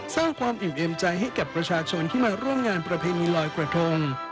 สร้างความอิ่มเอ็มใจให้กับประชาชนที่มาร่วมงานประเพณีลอยกระทง